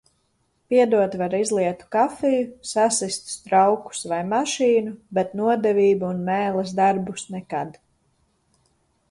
Piedot var izlietu kafiju, sasistus traukus vai mašīnu, bet nodevību un mēles darbus nekad.